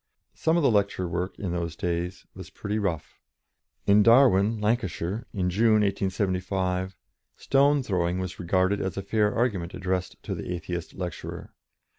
Some of the lecture work in those days was pretty rough. In Darwen, Lancashire, in June, 1875, stone throwing was regarded as a fair argument addressed to the Atheist lecturer.